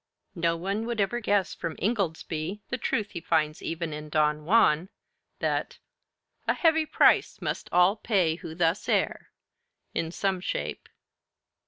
No one would ever guess from 'Ingoldsby' the truth he finds even in 'Don Juan,' that "A heavy price must all pay who thus err, In some shape."